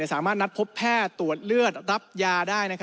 สามารถนัดพบแพทย์ตรวจเลือดรับยาได้